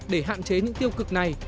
để hạn chế những tiêu cực này